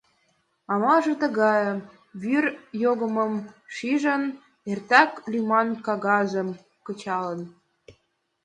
Амалже тыгае: вӱр йогымым шижын, эртак лӱман кагазым кычалын.